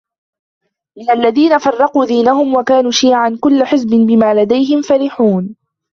من الذين فرقوا دينهم وكانوا شيعا كل حزب بما لديهم فرحون